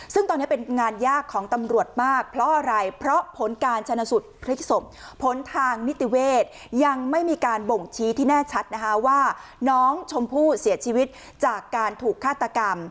ซึ่งตอนนี้เป็นงานยากของตำรวจมากเพราะอะไรเพราะผลการชนะสูตรพลิกศพผลทางนิติเวทยังไม่มีการบ่งชี้ที่แน่ชัดนะคะว่าน้องชมพู่เสียชีวิตจากการถูกฆาตกรรม